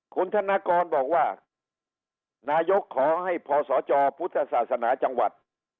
คุณธนกรบอกว่านายกขอให้พศจพุทธศาสนาจังหวัด